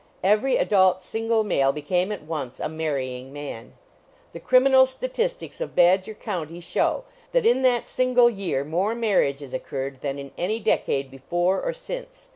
Every adult single male became at once a marrying man. The criminal statistics of Badger county show that in that single year more marriages occurred than in any decade before or since.